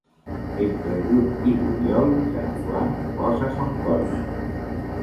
Entre juny i juliol, Sant Joan posa son coll.